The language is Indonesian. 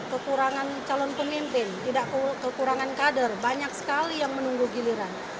kekurangan calon pemimpin tidak kekurangan kader banyak sekali yang menunggu giliran